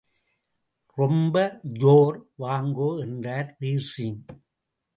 ரொம்ப ஜோர், வாங்கோ என்றார் வீர்சிங்.